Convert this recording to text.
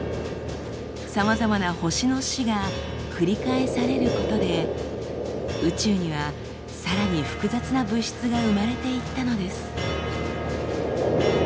さまざまな星の死が繰り返されることで宇宙にはさらに複雑な物質が生まれていったのです。